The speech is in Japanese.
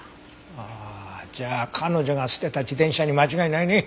ああじゃあ彼女が捨てた自転車に間違いないね。